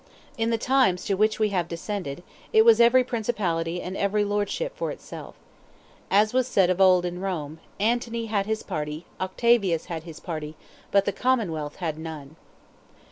In the times to which we have descended, it was every principality and every lordship for itself. As was said of old in Rome, "Antony had his party, Octavius had his party, but the Commonwealth had none."